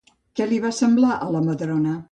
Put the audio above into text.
Què li va semblar a la Madrona?